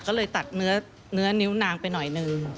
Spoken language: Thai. ก็เลยตัดเนื้อนิ้วนางไปหน่อยนึง